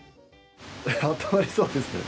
あったまりそうですね。